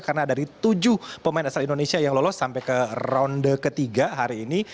karena dari tujuh pemain asal indonesia yang lolos sampai ke ronde ketiga hari ini